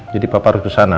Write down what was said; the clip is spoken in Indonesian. jadi papa harus ke sana